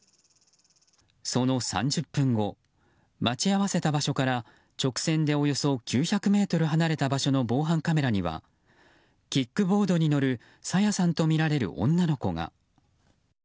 その３０分後待ち合わせた場所から直線でおよそ９００ｍ離れた場所の防犯カメラにはキックボードに乗る朝芽さんとみられる女の子が。